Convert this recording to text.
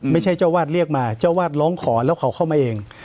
เจ้าวาดเรียกมาเจ้าวาดร้องขอแล้วเขาเข้ามาเอง